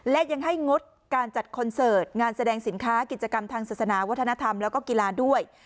และยังให้งดการจัดคอนเสิร์ตงานแสดงสินค้ากิจกรรมทางศาสนาวัฒนธรรมแล้วก็กีฬาด้วย